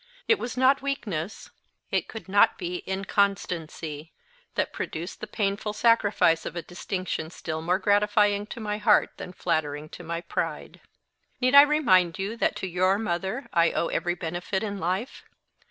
It was not weakness it could not be inconstancy that produced the painful sacrifice of a distinction still more gratifying to my heart than flattering to my pride. "Need I remind you that to your mother I owe every benefit in life?